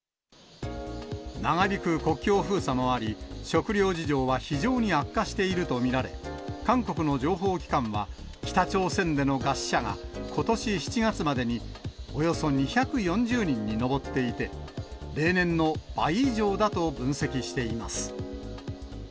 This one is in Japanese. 長引く国境封鎖もあり、食糧事情は非常に悪化していると見られ、韓国の情報機関は、北朝鮮での餓死者がことし７月までに、およそ２４０人に上っていて、例年の倍以上だと分析しています。